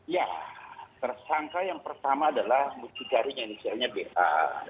ya tersangka yang pertama adalah muci jari indonesia nya b a